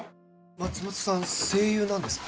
松本さん声優なんですか？